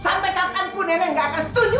sampai kakak pun nenek gak akan setuju